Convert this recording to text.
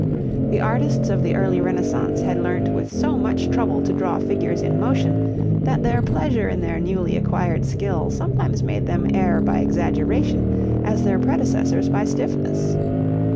The artists of the early Renaissance had learnt with so much trouble to draw figures in motion that their pleasure in their newly acquired skill sometimes made them err by exaggeration as their predecessors by stiffness.